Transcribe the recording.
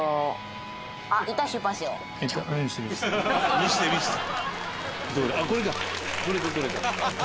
「見せて見せて」